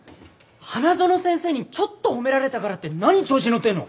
花園先生にちょっと褒められたからって何調子乗ってんの？